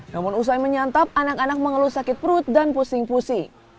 namun usai menyantap anak anak mengeluh sakit perut dan pusing pusing